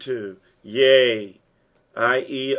Yea," i.e.